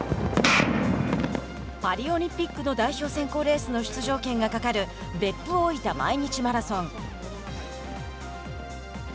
パリオリンピックの代表選考レースの出場権がかかる別府大分毎日マラソン。